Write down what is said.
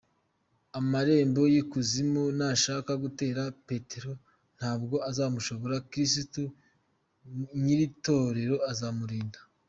Amarembo y’ikuzimu nashaka gutera Petero ntabwo azamushobora Kristo nyir’itorero azamurinda.